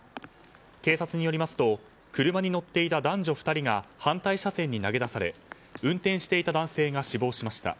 警察によりますと車に乗っていた男女２人が反対車線に投げ出され運転していた男性が死亡しました。